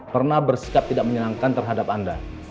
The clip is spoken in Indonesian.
pernah bersikap tidak menyenangkan terhadap anda